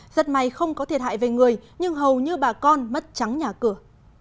rất may không có thiệt hại về người nhưng hầu như bà con mất trắng nhà cửa